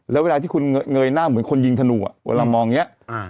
และเวลาคุณเหงยหน้าเหมือนกับคนยิงธนูการเลี่ยง